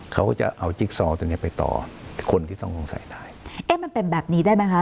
เขาก็จะเอาจิ๊กซอตัวเนี้ยไปต่อคนที่ต้องสงสัยได้เอ๊ะมันเป็นแบบนี้ได้ไหมคะ